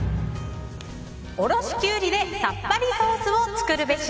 おろしキュウリでさっぱりソースを作るべし。